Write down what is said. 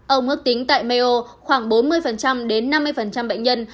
ông ước tính tại maio khoảng bốn mươi đến năm mươi bệnh nhân